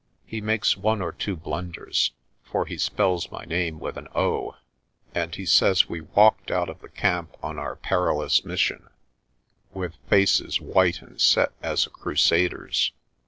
He makes one or two blunders, for he spells my name with an "o," and he says we walked out of the camp on our perilous mission "with faces white and set as a Crusader's."